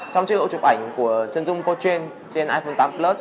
trong chế độ chụp ảnh của chân dung pochin trên iphone tám plus